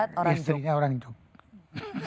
karena istrinya orang jogja